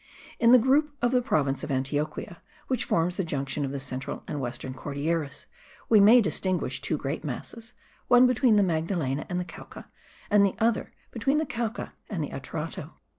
In the group of the province of Antioquia, which forms the junction of the central and western Cordilleras, we may distinguish two great masses; one between the Magdalena and the Cauca, and the other between the Cauca and the Atrato.